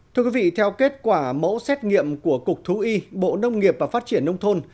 thưa quý vị theo kết quả mẫu xét nghiệm của cục thú y bộ nông nghiệp và phát triển nông thôn